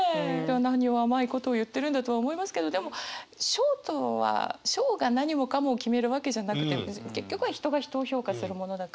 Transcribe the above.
何を甘いことを言ってるんだとは思いますけどでも賞とは賞が何もかもを決めるわけじゃなくて結局は人が人を評価するものだから。